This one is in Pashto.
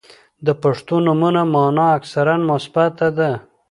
• د پښتو نومونو مانا اکثراً مثبته ده.